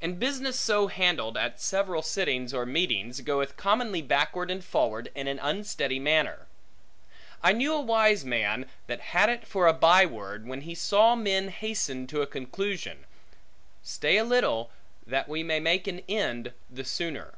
And business so handled, at several sittings or meetings, goeth commonly backward and forward in an unsteady manner. I knew a wise man that had it for a byword, when he saw men hasten to a conclusion, Stay a little, that we may make an end the sooner.